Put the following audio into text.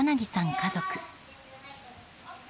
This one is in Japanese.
家族。